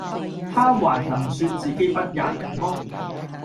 他還能説自己不喫人麼？